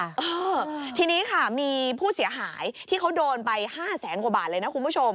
เออทีนี้ค่ะมีผู้เสียหายที่เขาโดนไปห้าแสนกว่าบาทเลยนะคุณผู้ชม